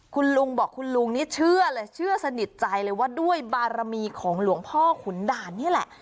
คุณลุงบอกคุณลุงนี่เชื่อเลยเชื่อสนิทใจเลยว่าด้วยบารมีของหลวงพ่อขุนด่านนี่แหละ